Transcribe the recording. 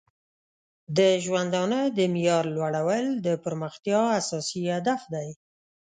د ژوندانه د معیار لوړول د پرمختیا اساسي هدف دی.